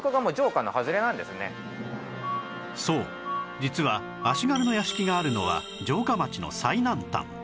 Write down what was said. そう実は足軽の屋敷があるのは城下町の最南端